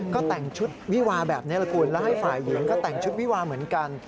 ก็แต่งชุดวิวาแบบนี้แหละคุณแล้วให้ฝ่ายหญิงก็แต่งชุดวิวาเหมือนกัน